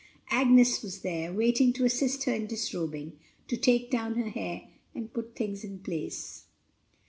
Agnes was there, waiting to assist her in disrobing, to take down her hair, and put things in place.